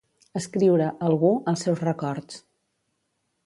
Escriure, algú, els seus records.